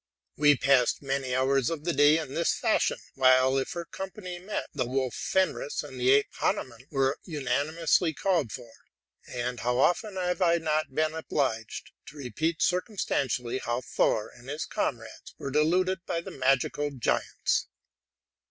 We passed many hours of the day in this fashion: while, if her company met, the Wolf Fenris and the Ape Hannemann were unanimously called for ; and how often have I not been obliged to repeat circumstantially how Thor and his comrades were deluded by the magical giants!